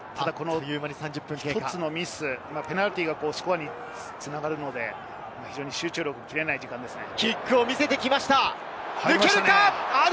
１つのミス、ペナルティーがスコアに繋がるので、非常に集中力が切れない時間ですね。